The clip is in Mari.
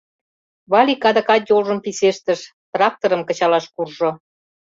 Валик адакат йолжым писештыш — тракторым кычалаш куржо.